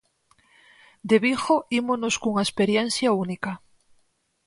De Vigo ímonos cunha experiencia única.